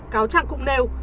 cáo trạng cũng nêu